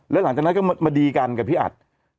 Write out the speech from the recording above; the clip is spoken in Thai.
แล้วหลังจากนั้นก็มาดีกันกับพี่อัด